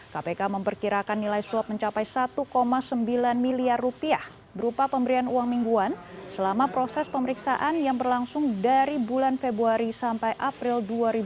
kpk memperkirakan nilai suap mencapai satu sembilan miliar rupiah berupa pemberian uang mingguan selama proses pemeriksaan yang berlangsung dari bulan februari sampai april dua ribu dua puluh